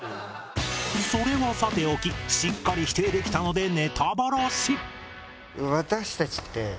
それはさておきしっかり否定できたのでネタバラシ